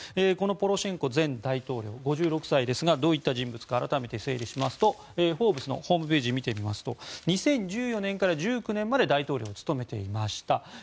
このポロシェンコ前大統領５６歳ですがどういった人物か改めて整理しますと「フォーブス」のホームページを見てみますと２０１４年から２０１９年まで大統領を務めていました。